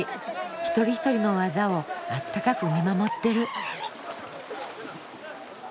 一人一人の技をあったかく見守ってる。